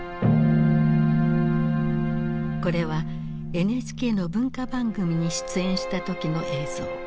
これはＮＨＫの文化番組に出演した時の映像。